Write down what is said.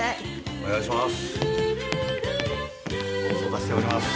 お願いします。